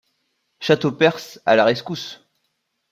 Châteaupers à la rescousse!